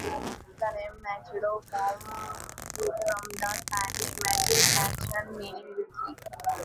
The name "mechado" from the Spanish "mecha" meaning "wick".